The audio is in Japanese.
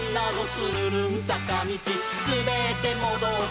つるるんさかみち」「すべってもどって」